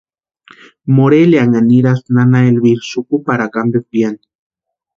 Morelianha niraspti nana Elvira xukuparhakwa piani.